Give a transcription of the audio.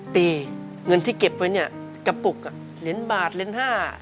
ปีเงินที่เก็บไว้เนี่ยกระปุกเหรียญบาทเหรียญ๕